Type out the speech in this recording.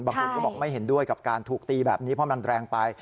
บางคนก็บอกไม่เห็นด้วยกับการถูกตีแบบนี้เพราะมันแรงไป